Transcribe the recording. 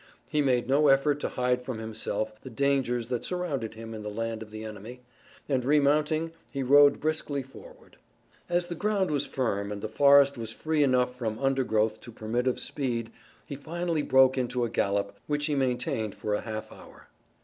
He made no effort to hide from himself the dangers that surrounded him in the land of the enemy, and remounting he rode briskly forward. As the ground was firm and the forest was free enough from undergrowth to permit of speed he finally broke into a gallop which he maintained for a half hour.